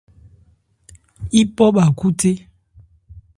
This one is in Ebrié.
Yípɔ bhā khúthé.